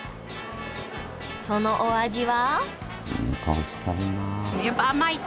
そのお味は？